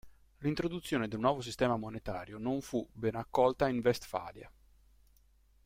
L'introduzione del nuovo sistema monetario non fu bene accolta in Vestfalia.